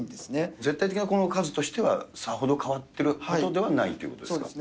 絶対的な数としてはさほど変わっているということではないということですか。